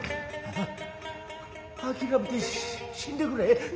ナァ諦めて死んでくれ。